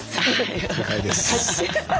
正解です。